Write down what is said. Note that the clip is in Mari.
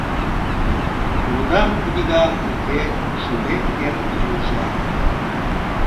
Лудам книгам, уке, шулем эр южла.